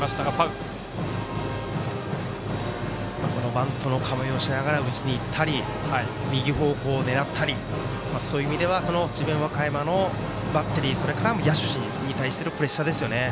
バントの構えをしながら打ちにいったり右方向を狙ったりそういう意味では智弁和歌山のバッテリーそれから、野手陣に対するプレッシャーですよね。